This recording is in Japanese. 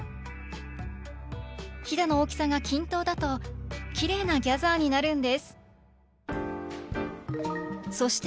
ヒダの大きさが均等だとキレイなギャザーになるんです！